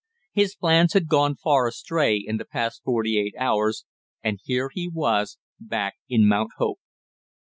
His plans had gone far astray in the past forty eight hours, and here he was back in Mount Hope.